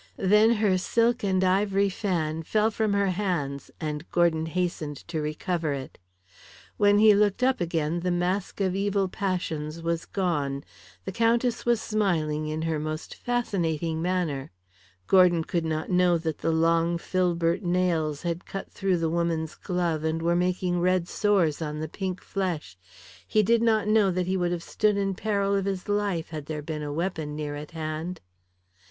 Then her silk and ivory fan fell from her hands, and Gordon hastened to recover it. When he looked up again the mask of evil passions was gone. The Countess was smiling in her most fascinating manner. Gordon could not know that the long filbert nails had cut through the woman's glove, and were making red sores on the pink flesh. He did not know that he would have stood in peril of his life had there been a weapon near at hand.